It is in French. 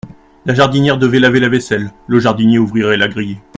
La jardinière devait laver la vaisselle, le jardinier ouvrirait la grille.